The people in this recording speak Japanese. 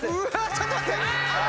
ちょっと待って。